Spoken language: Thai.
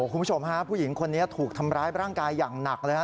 คุณผู้ชมฮะผู้หญิงคนนี้ถูกทำร้ายร่างกายอย่างหนักเลยฮะ